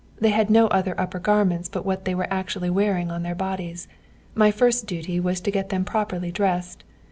They had no other upper garments but what they were actually wearing on their bodies.... My first duty was to get them properly dressed.